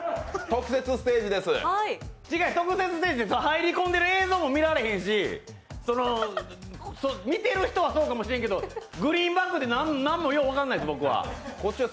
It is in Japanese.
特設ステージって入り込んでる映像も見られへんし見てる人はそうかもしれんけど、グリーンバックで何もよう分からん、こっちは。